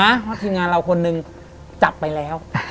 เพราะทีมงานเราคนหนึ่งจับไปแล้ว